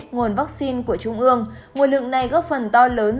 nguồn vaccine của trung ương nguồn lượng này góp phần to lớn